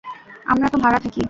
আমরা তো ভাড়া থাকি।